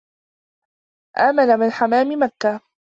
آمن من حمام مكة